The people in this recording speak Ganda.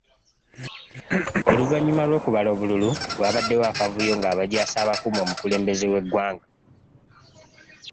Oluvannyuma lw’okubala obululu, wabaddewo akavuyo ng’abajaasi abakuuma omukulembeze w’eggwanga.